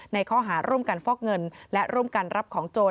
ในข้อหาร่วมกันฟอกเงินและร่วมกันรับของโจร